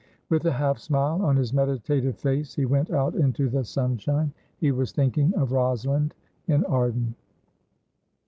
With a half smile on his meditative face, he went out into the sunshine. He was thinking of Rosalind in Arden.